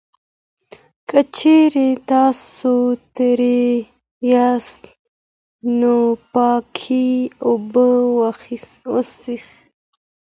که چېرې تاسو تږی یاست، نو پاکې اوبه وڅښئ.